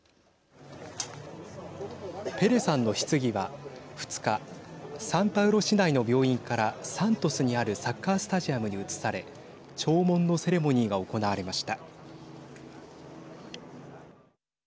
ペレさんのひつぎは２日、サンパウロ市内の病院からサントスにあるサッカースタジアムに移され弔問のセレモニーが行われました。